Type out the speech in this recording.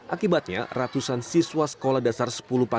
akibatnya ratusan siswa sekolah dasar sekolah ini tidak bisa berpengalaman